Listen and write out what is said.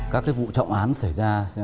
các vụ trọng án xảy ra